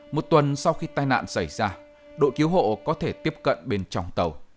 một tuần sau khi tai nạn xảy ra đội cứu hộ có thể tiếp cận bên trong tàu